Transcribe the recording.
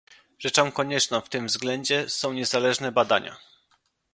Rzeczą konieczną w tym względzie są niezależne badania